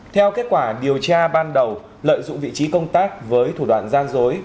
theo kết quả điều tra ban đầu lợi dụng vị trí công tác với thủ đoạn gian dối